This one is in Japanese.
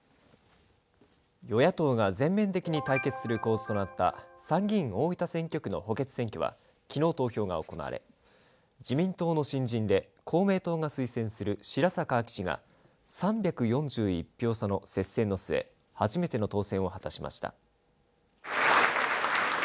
与野党が全面的に対決する構図となった参議院大分選挙区の補欠選挙はきのう投票が行われ自民党の新人で公明党が推薦する白坂亜紀氏が３４１票差の接戦の末初めての当選を果たしました。